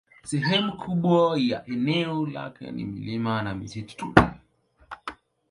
Sehemu kubwa ya eneo lake ni milima na misitu tu.